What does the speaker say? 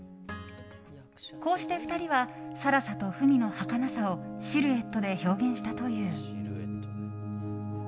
こうして２人は更紗と文のはかなさをシルエットで表現したという。